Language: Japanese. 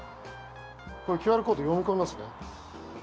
これＱＲコード読み込みますね。